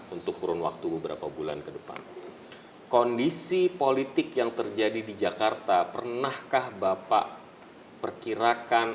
untuk kurun waktu beberapa bulan ke depan kondisi politik yang terjadi di jakarta pernahkah bapak perkirakan